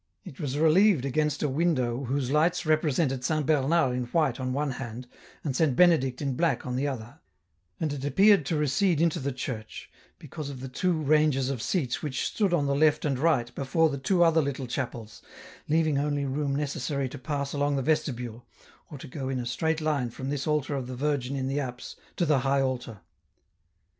It was relieved against a window whose lights represented Saint Bernard in white on one hand, and Saint Benedict in black on the other, and it appeared to recede into the church, because of the two ranges of seats which stood on the left and right before the two other little chapels, leaving only room necessary to pass along the vestibule, or to go in a straight line from this altar of the Virgin in the apse, to the high altar.